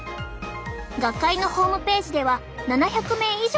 学会のホームページでは７００名以上の相談